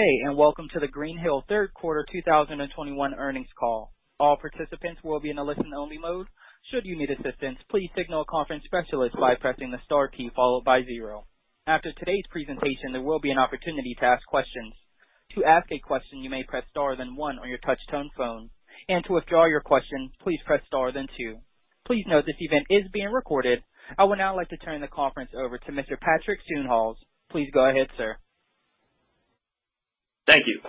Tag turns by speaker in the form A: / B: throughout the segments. A: Good day, and welcome to the Greenhill third quarter 2021 earnings call. All participants will be in a listen-only mode. Should you need assistance, please signal a conference specialist by pressing the star key followed by zero. After today's presentation, there will be an opportunity to ask questions. To ask a question, you may press star then one on your touchtone phone, and to withdraw your question, please press star then two. Please note this event is being recorded. I would now like to turn the conference over to Mr. Patrick Suehnholz. Please go ahead, sir.
B: Thank you.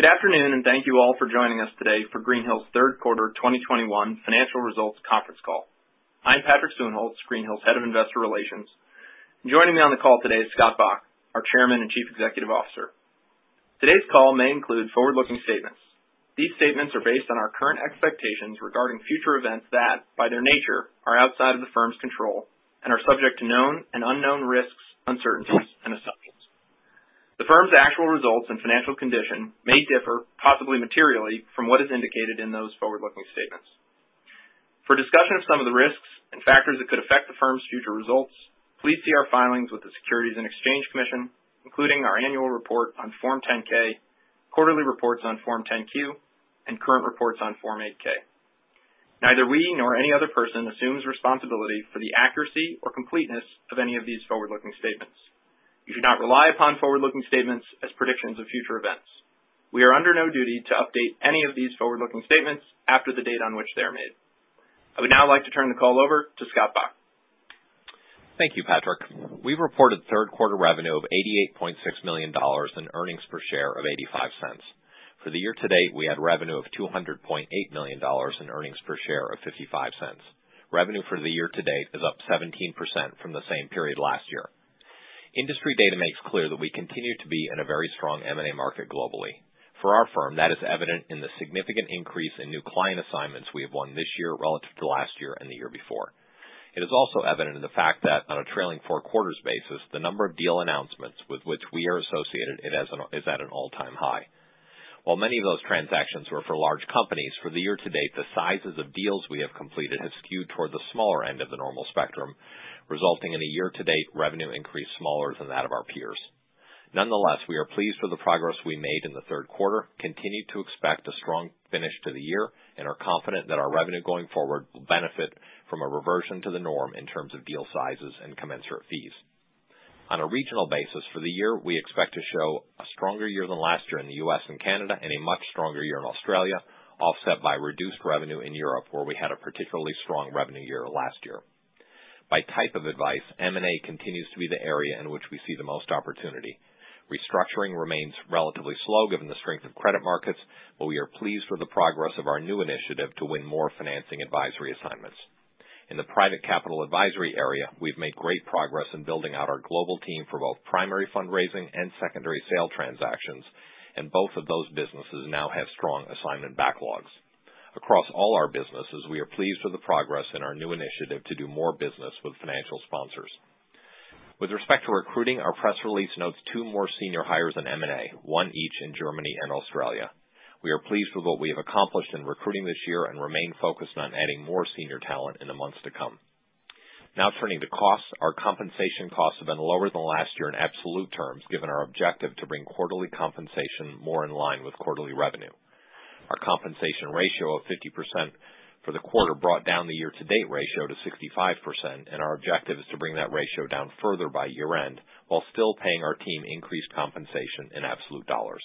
B: Good afternoon, and thank you all for joining us today for Greenhill's third quarter 2021 financial results conference call. I'm Patrick Suehnholz, Greenhill's Head of Investor Relations. Joining me on the call today is Scott Bok, our Chairman and Chief Executive Officer. Today's call may include forward-looking statements. These statements are based on our current expectations regarding future events that, by their nature, are outside of the firm's control and are subject to known and unknown risks, uncertainties, and assumptions. The firm's actual results and financial condition may differ, possibly materially, from what is indicated in those forward-looking statements. For discussion of some of the risks and factors that could affect the firm's future results, please see our filings with the Securities and Exchange Commission, including our annual report on Form 10-K, quarterly reports on Form 10-Q, and current reports on Form 8-K. Neither we nor any other person assumes responsibility for the accuracy or completeness of any of these forward-looking statements. You should not rely upon forward-looking statements as predictions of future events. We are under no duty to update any of these forward-looking statements after the date on which they are made. I would now like to turn the call over to Scott Bok.
C: Thank you, Patrick. We reported third quarter revenue of $88.6 million and earnings per share of $0.85. For the year to date, we had revenue of $200.8 million and earnings per share of $0.55. Revenue for the year to date is up 17% from the same period last year. Industry data makes clear that we continue to be in a very strong M&A market globally. For our firm, that is evident in the significant increase in new client assignments we have won this year relative to last year and the year before. It is also evident in the fact that on a trailing four quarters basis, the number of deal announcements with which we are associated, it is at an all-time high. While many of those transactions were for large companies, for the year to date, the sizes of deals we have completed have skewed toward the smaller end of the normal spectrum, resulting in a year-to-date revenue increase smaller than that of our peers. Nonetheless, we are pleased with the progress we made in the third quarter, continue to expect a strong finish to the year, and are confident that our revenue going forward will benefit from a reversion to the norm in terms of deal sizes and commensurate fees. On a regional basis for the year, we expect to show a stronger year than last year in the U.S. and Canada and a much stronger year in Australia, offset by reduced revenue in Europe, where we had a particularly strong revenue year last year. By type of advice, M&A continues to be the area in which we see the most opportunity. Restructuring remains relatively slow given the strength of credit markets, but we are pleased with the progress of our new initiative to win more financing advisory assignments. In the private capital advisory area, we've made great progress in building out our global team for both primary fundraising and secondary sale transactions, and both of those businesses now have strong assignment backlogs. Across all our businesses, we are pleased with the progress in our new initiative to do more business with financial sponsors. With respect to recruiting, our press release notes two more senior hires in M&A, one each in Germany and Australia. We are pleased with what we have accomplished in recruiting this year and remain focused on adding more senior talent in the months to come. Now turning to costs. Our compensation costs have been lower than last year in absolute terms, given our objective to bring quarterly compensation more in line with quarterly revenue. Our compensation ratio of 50% for the quarter brought down the year-to-date ratio to 65%, and our objective is to bring that ratio down further by year-end while still paying our team increased compensation in absolute dollars.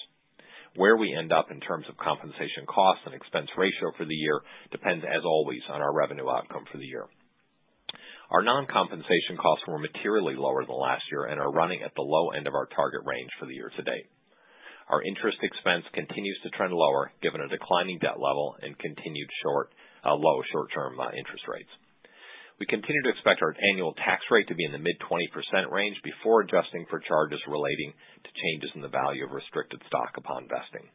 C: Where we end up in terms of compensation costs and expense ratio for the year depends, as always, on our revenue outcome for the year. Our non-compensation costs were materially lower than last year and are running at the low end of our target range for the year-to-date. Our interest expense continues to trend lower given a declining debt level and continued low short-term interest rates. We continue to expect our annual tax rate to be in the mid-20% range before adjusting for charges relating to changes in the value of restricted stock upon vesting.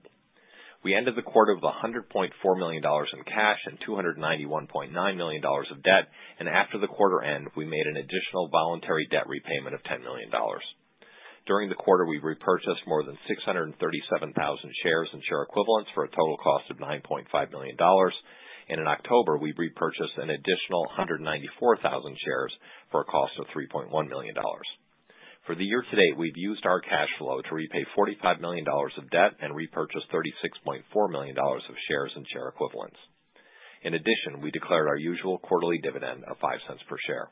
C: We ended the quarter with $100.4 million in cash and $291.9 million of debt, and after quarter-end, we made an additional voluntary debt repayment of $10 million. During the quarter, we repurchased more than 637,000 shares and share equivalents for a total cost of $9.5 million. In October, we repurchased an additional 194,000 shares for a cost of $3.1 million. For the year to date, we've used our cash flow to repay $45 million of debt and repurchase $36.4 million of shares and share equivalents. In addition, we declared our usual quarterly dividend of $0.05 per share.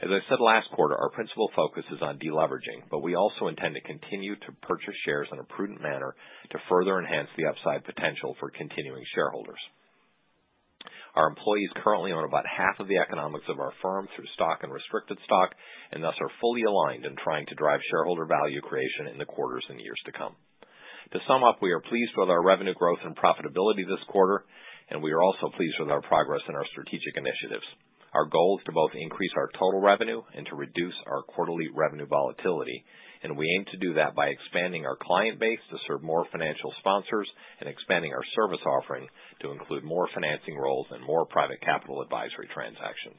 C: As I said last quarter, our principal focus is on deleveraging, but we also intend to continue to purchase shares in a prudent manner to further enhance the upside potential for continuing shareholders. Our employees currently own about half of the economics of our firm through stock and restricted stock and thus are fully aligned in trying to drive shareholder value creation in the quarters and years to come. To sum up, we are pleased with our revenue growth and profitability this quarter, and we are also pleased with our progress in our strategic initiatives. Our goal is to both increase our total revenue and to reduce our quarterly revenue volatility, and we aim to do that by expanding our client base to serve more financial sponsors and expanding our service offering to include more financing roles and more private capital advisory transactions.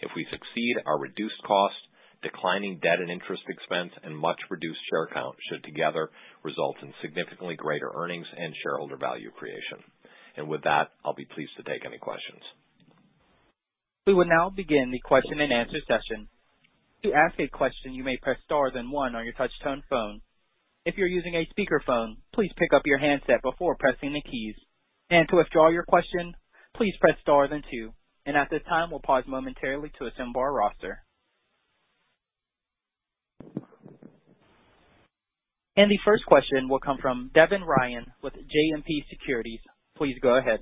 C: If we succeed, our reduced costs, declining debt and interest expense, and much reduced share count should together result in significantly greater earnings and shareholder value creation. With that, I'll be pleased to take any questions.
A: We will now begin the question-and-answer session. To ask a question you may press star then one on your touchtone phone. If you're using a speakerphone, please pick up your handset before pressing the keys. To withdraw your question, please press star then two. At this time, we'll pause momentarily to assemble our roster. The first question will come from Devin Ryan with JMP Securities. Please go ahead.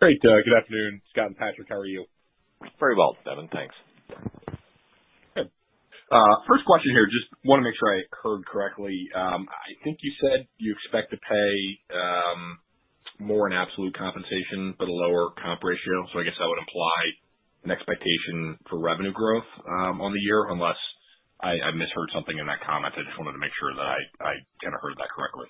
D: Great. Good afternoon, Scott and Patrick, how are you?
C: Very well, Devin. Thanks.
D: Good. First question here. Just wanna make sure I heard correctly. I think you said you expect to pay more in absolute compensation but a lower comp ratio. I guess that would imply an expectation for revenue growth on the year, unless I misheard something in that comment. I just wanted to make sure that I kinda heard that correctly.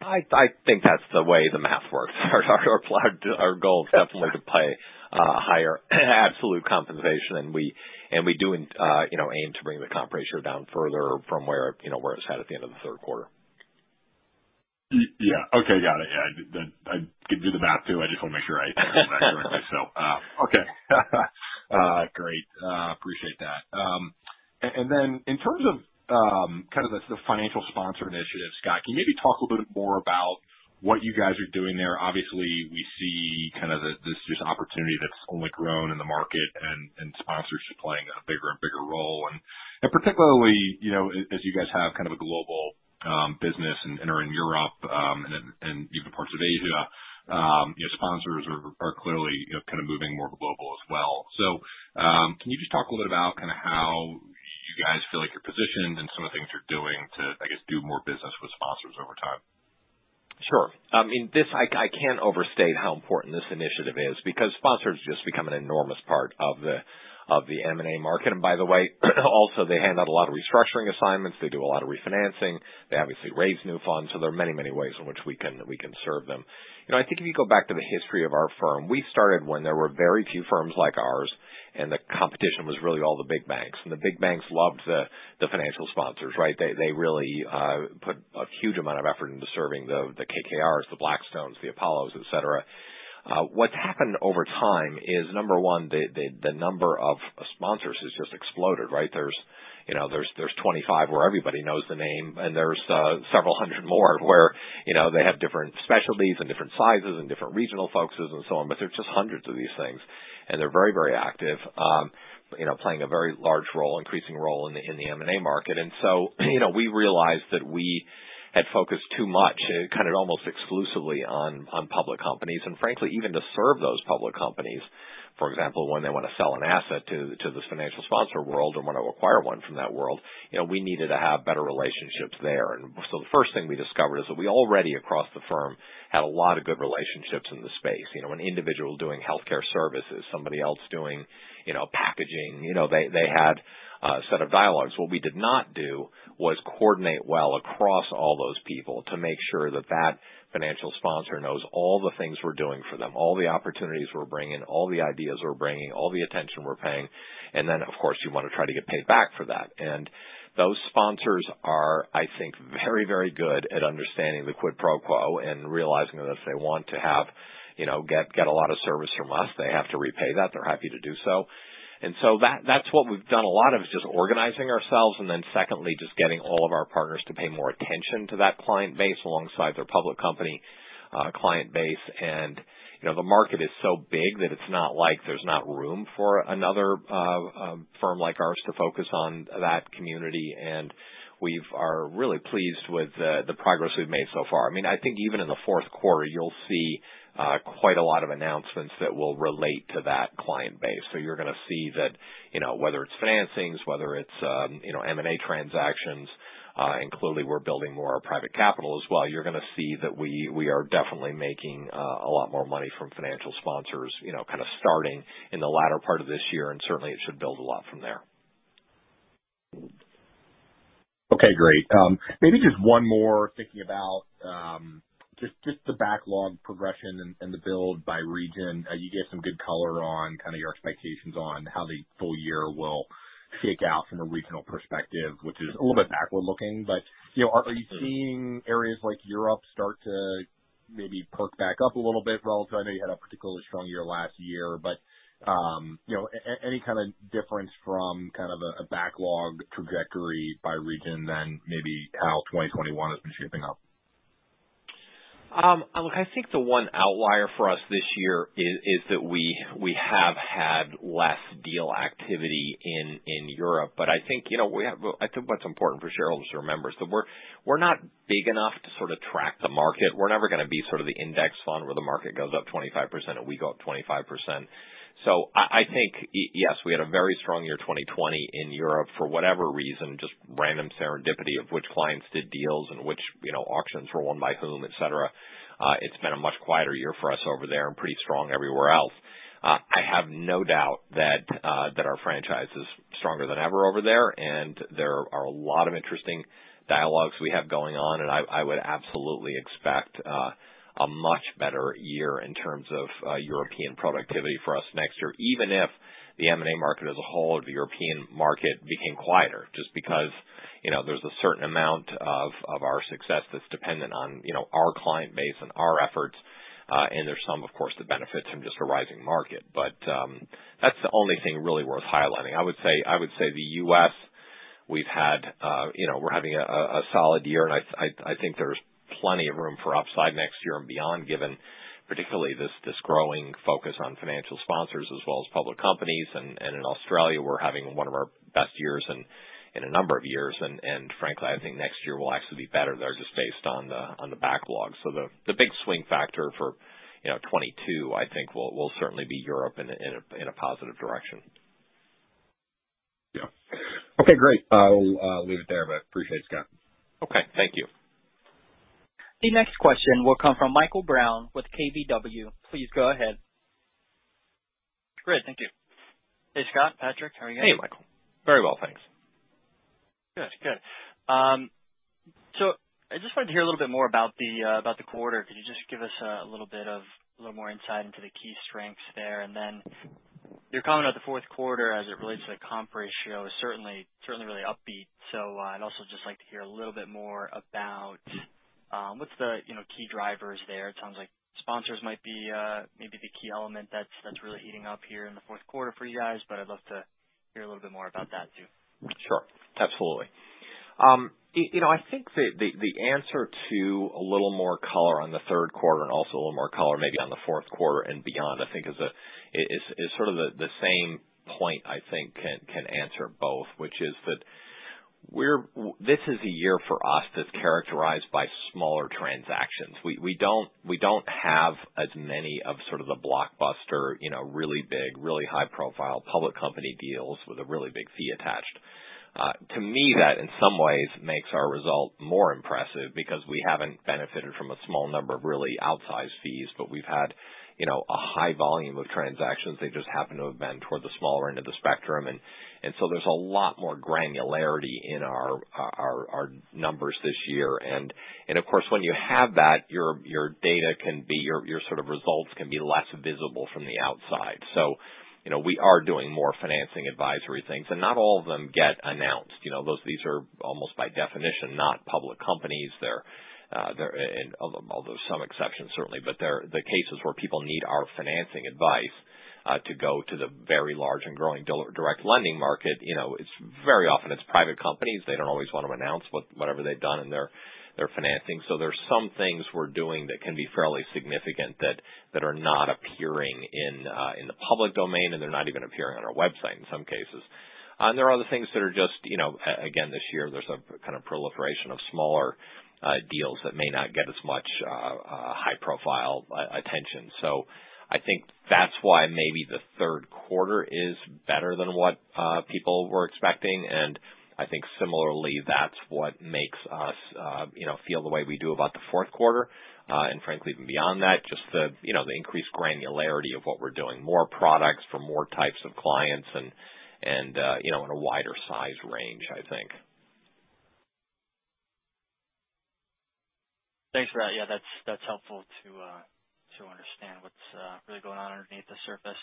C: I think that's the way the math works. Our goal is definitely to pay higher absolute compensation, and we do, you know, aim to bring the comp ratio down further from where it's at the end of the third quarter.
D: Yeah. Okay. Got it. Yeah. Then I can do the math, too. I just wanna make sure I heard that correctly. So, okay. Great. Appreciate that. And then in terms of kind of the financial sponsor initiative, Scott, can you maybe talk a little bit more about what you guys are doing there? Obviously we see kind of this just opportunity that's only grown in the market and sponsors playing a bigger and bigger role and particularly, you know, as you guys have kind of a global business and are in Europe and even parts of Asia, you know, sponsors are clearly, you know, kind of moving more global as well. Can you just talk a little bit about kind of how you guys feel like you're positioned and some of the things you're doing to, I guess, do more business with sponsors over time?
C: Sure. I mean, this, I can't overstate how important this initiative is because sponsors just become an enormous part of the M&A market. By the way, also they hand out a lot of restructuring assignments. They do a lot of refinancing. They obviously raise new funds, so there are many ways in which we can serve them. You know, I think if you go back to the history of our firm, we started when there were very few firms like ours, and the competition was really all the big banks, and the big banks loved the financial sponsors, right? They really put a huge amount of effort into serving the KKR's, the Blackstone's, the Apollo's, et cetera. What's happened over time is, number one, the number of sponsors has just exploded, right? There's, you know, 25 where everybody knows the name, and there's several hundred more where, you know, they have different specialties and different sizes and different regional focuses and so on, but there's just hundreds of these things, and they're very, very active, you know, playing a very large role, increasing role in the M&A market. You know, we realized that we had focused too much, kind of almost exclusively on public companies. Frankly, even to serve those public companies, for example, when they want to sell an asset to this financial sponsor world or want to acquire one from that world, you know, we needed to have better relationships there. The first thing we discovered is that we already, across the firm, had a lot of good relationships in the space. You know, an individual doing healthcare services, somebody else doing, you know, packaging, you know, they had a set of dialogues. What we did not do was coordinate well across all those people to make sure that financial sponsor knows all the things we're doing for them, all the opportunities we're bringing, all the ideas we're bringing, all the attention we're paying. Then, of course, you want to try to get paid back for that. Those sponsors are, I think, very, very good at understanding the quid pro quo and realizing that if they want to have, you know, get a lot of service from us, they have to repay that. They're happy to do so. That's what we've done a lot of, is just organizing ourselves and then secondly, just getting all of our partners to pay more attention to that client base alongside their public company client base. you know, the market is so big that it's not like there's not room for another firm like ours to focus on that community. We are really pleased with the progress we've made so far. I mean, I think even in the fourth quarter, you'll see quite a lot of announcements that will relate to that client base. You're gonna see that, you know, whether it's financings, whether it's, you know, M&A transactions, including we're building more private capital as well, you're gonna see that we are definitely making a lot more money from financial sponsors, you know, kind of starting in the latter part of this year, and certainly it should build a lot from there.
D: Okay, great. Maybe just one more thinking about just the backlog progression and the build by region. You gave some good color on kind of your expectations on how the full year will shake out from a regional perspective, which is a little bit backward looking, but you know, are you seeing areas like Europe start to maybe perk back up a little bit relative? I know you had a particularly strong year last year, but you know, any kind of difference from kind of a backlog trajectory by region than maybe how 2021 has been shaping up?
C: I think the one outlier for us this year is that we have had less deal activity in Europe, but I think, you know, I think what's important for shareholders to remember is that we're not big enough to sort of track the market. We're never gonna be sort of the index fund where the market goes up 25% and we go up 25%. I think yes, we had a very strong year, 2020, in Europe for whatever reason, just random serendipity of which clients did deals and which, you know, auctions were won by whom, et cetera. It's been a much quieter year for us over there and pretty strong everywhere else. I have no doubt that our franchise is stronger than ever over there, and there are a lot of interesting dialogues we have going on, and I would absolutely expect a much better year in terms of European productivity for us next year, even if the M&A market as a whole or the European market became quieter just because, you know, there's a certain amount of our success that's dependent on, you know, our client base and our efforts. There's some, of course, that benefits from just a rising market. That's the only thing really worth highlighting. I would say the U.S., we've had, you know, we're having a solid year, and I think there's plenty of room for upside next year and beyond, given particularly this growing focus on financial sponsors as well as public companies. In Australia, we're having one of our best years in a number of years. Frankly, I think next year will actually be better there just based on the backlog. The big swing factor for, you know, 2022, I think will certainly be Europe in a positive direction.
D: Yeah. Okay, great. I'll leave it there, but I appreciate it, Scott.
C: Okay. Thank you.
A: The next question will come from Michael Brown with KBW. Please go ahead.
E: Great. Thank you. Hey, Scott, Patrick. How are you?
C: Hey, Michael. Very well, thanks.
E: Good. Good. So I just wanted to hear a little bit more about the quarter. Could you just give us a little more insight into the key strengths there? Then your comment about the fourth quarter as it relates to the comp ratio is certainly really upbeat. I'd also just like to hear a little bit more about what's the key drivers there? It sounds like sponsors might be maybe the key element that's really heating up here in the fourth quarter for you guys, but I'd love to hear a little bit more about that too.
C: Sure. Absolutely. You know, I think the answer to a little more color on the third quarter and also a little more color maybe on the fourth quarter and beyond, I think is sort of the same point I think can answer both, which is that this is a year for us that's characterized by smaller transactions. We don't have as many of sort of the blockbuster, you know, really big, really high-profile public company deals with a really big fee attached. To me, that in some ways makes our result more impressive because we haven't benefited from a small number of really outsized fees, but we've had, you know, a high volume of transactions. They just happen to have been toward the smaller end of the spectrum. There's a lot more granularity in our numbers this year. Of course, when you have that, your sort of results can be less visible from the outside. You know, we are doing more financing advisory things, and not all of them get announced. You know, these are almost by definition not public companies, and although some exceptions certainly. They're the cases where people need our financing advice to go to the very large and growing direct lending market. You know, it's very often private companies. They don't always want to announce whatever they've done in their financing. There's some things we're doing that can be fairly significant that are not appearing in the public domain, and they're not even appearing on our website in some cases. There are other things that are just, you know, again, this year there's a kind of proliferation of smaller deals that may not get as much high profile attention. I think that's why maybe the third quarter is better than what people were expecting. I think similarly, that's what makes us, you know, feel the way we do about the fourth quarter. Frankly, even beyond that, just the, you know, the increased granularity of what we're doing. More products for more types of clients and, you know, in a wider size range, I think.
E: Thanks for that. Yeah, that's helpful to understand what's really going on underneath the surface.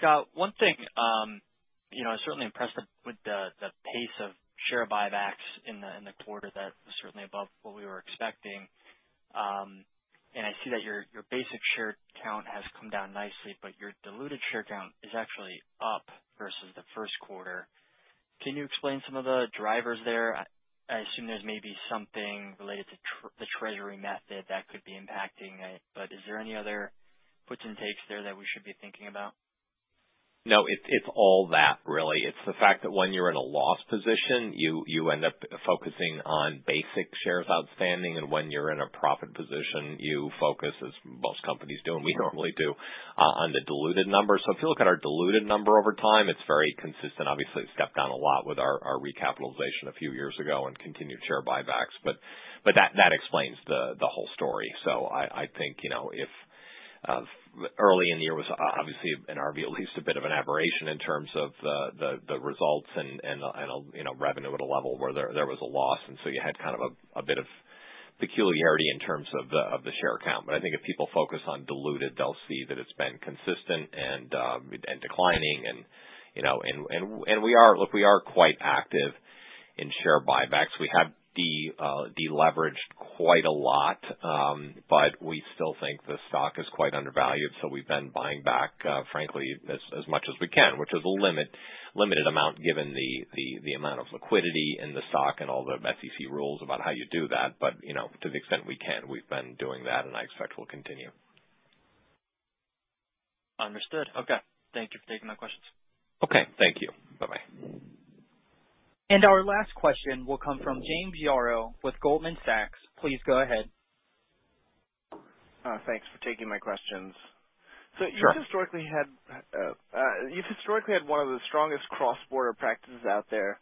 E: Scott, one thing, you know, certainly impressed with the pace of share buybacks in the quarter. That's certainly above what we were expecting. I see that your basic share count has come down nicely, but your diluted share count is actually up versus the first quarter. Can you explain some of the drivers there? I assume there's maybe something related to the treasury method that could be impacting it, but is there any other puts and takes there that we should be thinking about?
C: No, it's all that really. It's the fact that when you're in a loss position, you end up focusing on basic shares outstanding. When you're in a profit position, you focus, as most companies do and we normally do, on the diluted numbers. If you look at our diluted number over time, it's very consistent. Obviously, it stepped down a lot with our recapitalization a few years ago and continued share buybacks. That explains the whole story. I think, you know, if early in the year was obviously, in our view, at least a bit of an aberration in terms of the results and, you know, revenue at a level where there was a loss. You had a bit of peculiarity in terms of the share count. I think if people focus on diluted, they'll see that it's been consistent and declining, you know. We are quite active in share buybacks. We have deleveraged quite a lot. We still think the stock is quite undervalued, so we've been buying back, frankly, as much as we can, which is a limited amount given the amount of liquidity in the stock and all the SEC rules about how you do that. You know, to the extent we can, we've been doing that, and I expect we'll continue.
E: Understood. Okay. Thank you for taking my questions.
C: Okay. Thank you. Bye-bye.
A: Our last question will come from James Yaro with Goldman Sachs. Please go ahead.
F: Thanks for taking my questions. You've historically had one of the strongest cross-border practices out there.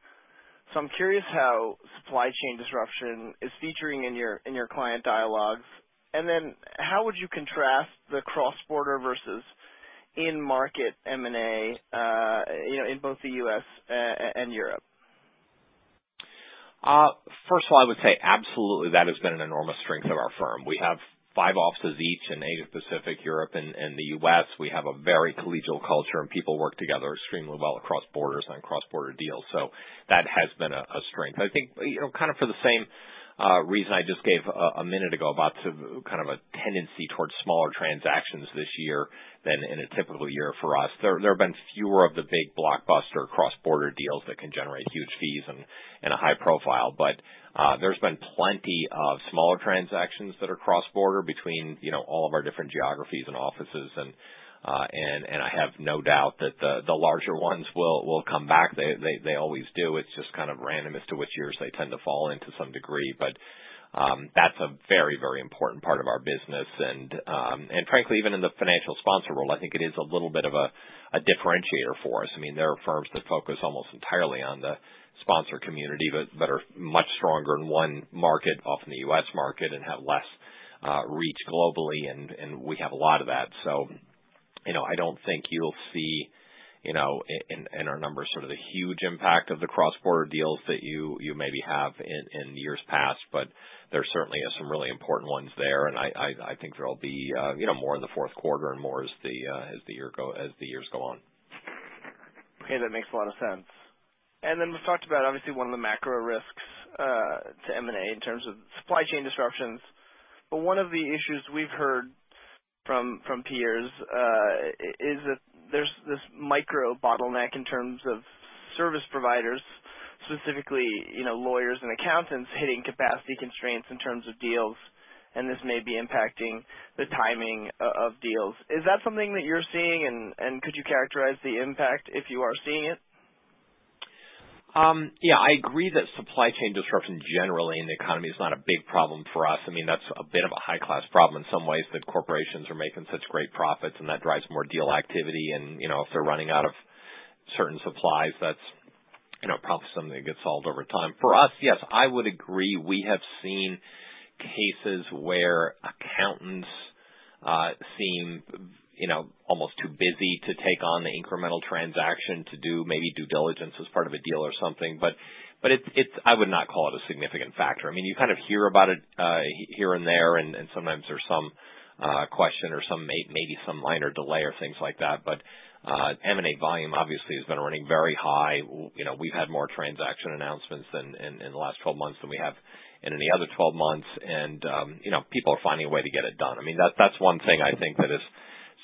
F: I'm curious how supply chain disruption is featuring in your client dialogues. How would you contrast the cross-border versus in-market M&A in both the U.S. and Europe?
C: First of all, I would say absolutely that has been an enormous strength of our firm. We have five offices each in Asia-Pacific, Europe, and the U.S. We have a very collegial culture, and people work together extremely well across borders on cross-border deals. That has been a strength. I think, you know, kind of for the same reason I just gave a minute ago about some kind of a tendency towards smaller transactions this year than in a typical year for us. There have been fewer of the big blockbuster cross-border deals that can generate huge fees and a high profile. There's been plenty of smaller transactions that are cross-border between, you know, all of our different geographies and offices, and I have no doubt that the larger ones will come back. They always do. It's just kind of random as to which years they tend to fall into some degree. That's a very important part of our business. Frankly, even in the financial sponsor role, I think it is a little bit of a differentiator for us. I mean, there are firms that focus almost entirely on the sponsor community, but that are much stronger in one market, often the U.S. market, and have less reach globally. We have a lot of that. You know, I don't think you'll see, you know, in our numbers sort of the huge impact of the cross-border deals that you maybe have in years past, but there certainly are some really important ones there. I think there'll be, you know, more in the fourth quarter and more as the years go on.
F: Okay, that makes a lot of sense. We've talked about obviously one of the macro risks to M&A in terms of supply chain disruptions. One of the issues we've heard from peers is that there's this micro bottleneck in terms of service providers, specifically, you know, lawyers and accountants hitting capacity constraints in terms of deals, and this may be impacting the timing of deals. Is that something that you're seeing? Could you characterize the impact if you are seeing it?
C: Yeah, I agree that supply chain disruption generally in the economy is not a big problem for us. I mean, that's a bit of a high-class problem in some ways that corporations are making such great profits, and that drives more deal activity. You know, if they're running out of certain supplies, that's you know probably something that gets solved over time. For us, yes, I would agree. We have seen cases where accountants seem you know almost too busy to take on the incremental transaction to do maybe due diligence as part of a deal or something. But it's I would not call it a significant factor. I mean, you kind of hear about it here and there and sometimes there's some question or some maybe some minor delay or things like that. M&A volume obviously has been running very high. You know, we've had more transaction announcements than in the last 12 months than we have in any other 12 months. You know, people are finding a way to get it done. I mean, that's one thing I think that is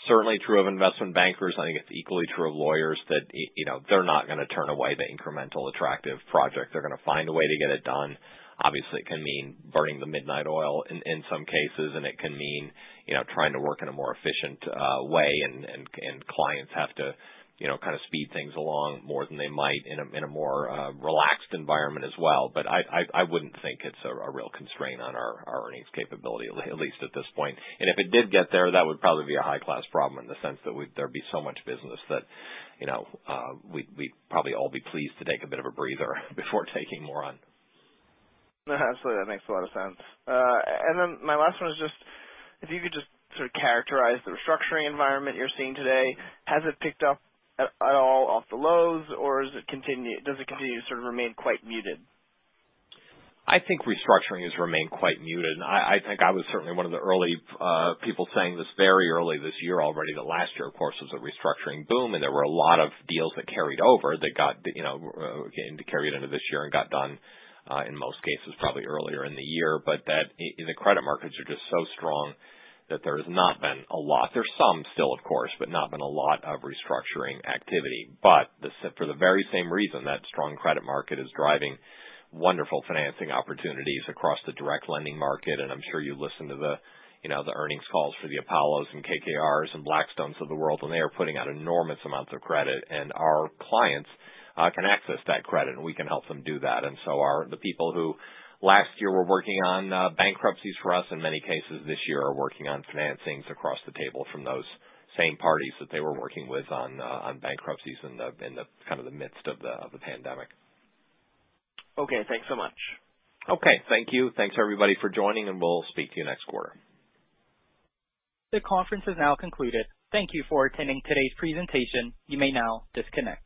C: certainly true of investment bankers. I think it's equally true of lawyers that you know, they're not gonna turn away the incremental attractive project. They're gonna find a way to get it done. Obviously, it can mean burning the midnight oil in some cases, and it can mean you know, trying to work in a more efficient way and clients have to you know, kind of speed things along more than they might in a more relaxed environment as well. I wouldn't think it's a real constraint on our earnings capability, at least at this point. If it did get there, that would probably be a high-class problem in the sense that we'd, there'd be so much business that, you know, we'd probably all be pleased to take a bit of a breather before taking more on.
F: Absolutely. That makes a lot of sense. My last one is just if you could just sort of characterize the restructuring environment you're seeing today. Has it picked up at all off the lows, or does it continue to sort of remain quite muted?
C: I think restructuring has remained quite muted. I think I was certainly one of the early people saying this very early this year already. The last year, of course, was a restructuring boom, and there were a lot of deals that carried over that got, you know, again, carried into this year and got done, in most cases, probably earlier in the year. The credit markets are just so strong that there's not been a lot. There's some still, of course, but not been a lot of restructuring activity. For the very same reason, that strong credit market is driving wonderful financing opportunities across the direct lending market. I'm sure you listen to the, you know, the earnings calls for the Apollos and KKRs and Blackstones of the world, and they are putting out enormous amounts of credit. Our clients can access that credit, and we can help them do that. The people who last year were working on bankruptcies for us, in many cases this year are working on financings across the table from those same parties that they were working with on bankruptcies in the midst of the pandemic.
F: Okay, thanks so much.
C: Okay, thank you. Thanks, everybody, for joining, and we'll speak to you next quarter.
A: The conference is now concluded. Thank you for attending today's presentation. You may now disconnect.